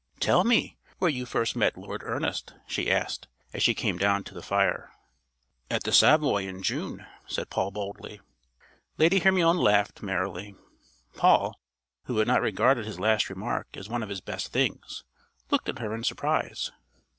"Tell me where you first met Lord Ernest?" she asked, as she came down to the fire. "At the Savoy in June," said Paul boldly. Lady Hermione laughed merrily. Paul, who had not regarded his last remark as one of his best things, looked at her in surprise.